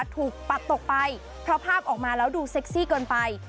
ปัดตกไปเพราะภาพออกมาแล้วดูเซ็กซี่เกินไป